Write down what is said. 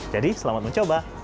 jadi selamat mencoba